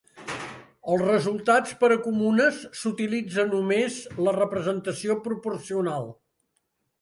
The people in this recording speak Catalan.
Els resultats per a comunes s'utilitza només la representació proporcional.